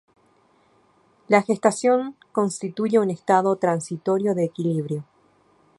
La gestación constituye un estado transitorio de equilibrio.